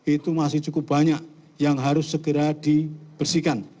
itu masih cukup banyak yang harus segera dibersihkan